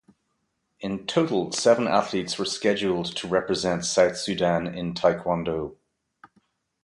In total seven athletes were scheduled to represent South Sudan in Taekwondo.